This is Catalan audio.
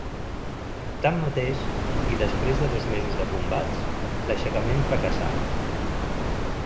Tanmateix, i després de dos mesos de combats, l’aixecament fracassà.